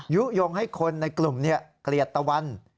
ยุโยงให้คนในกลุ่มเกลียดตะวัน